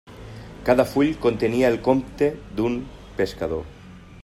Cada full contenia el compte d'un pescador.